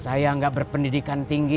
saya bisa berpendidikan tinggi